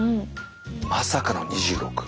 まさかの２６。